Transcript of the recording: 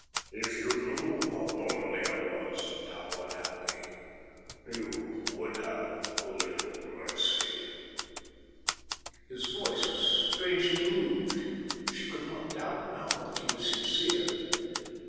"If you knew how lonely I was and how unhappy, you would have a little mercy." His voice was strangely moved. She could not doubt now that he was sincere.